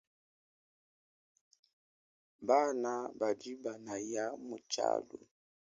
Bana badi banaya mu tshialu.